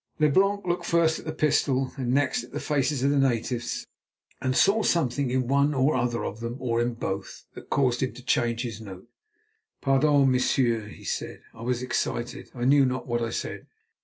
Leblanc looked first at the pistol, and next at the faces of the natives, and saw something in one or other of them, or in both, that caused him to change his note. "Pardon, monsieur," he said; "I was excited. I knew not what I said.